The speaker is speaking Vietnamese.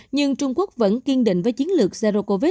nhưng trung quốc vẫn kiên định với chiến lược zero covid